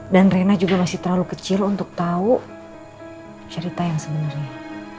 dan rena juga masih terlalu kecil untuk tahu cerita yang sebenarnya